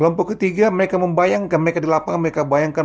mereka membayangkan mereka di lapangan mereka bayangkan